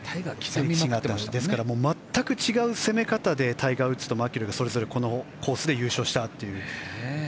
ですから、全く違う攻め方でタイガー・ウッズとマキロイはそれぞれこのコースで優勝したと。